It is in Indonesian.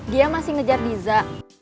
dia masih ngejar diza